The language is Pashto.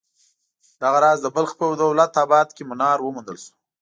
دغه راز د بلخ په دولت اباد کې منار وموندل شو.